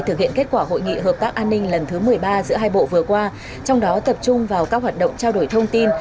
thực hiện kết quả hội nghị hợp tác an ninh lần thứ một mươi ba giữa hai bộ vừa qua trong đó tập trung vào các hoạt động trao đổi thông tin